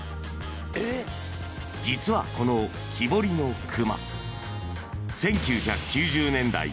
［実はこの木彫りの熊］